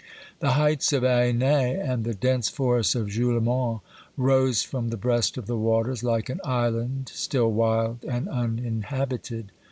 The heights of Anet and the dense forests of Julemont rose from the breast of the waters like an island still wild and uninhabited.